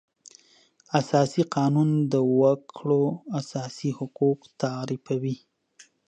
اساسي قانون د وکړو اساسي حقوق تعریفوي.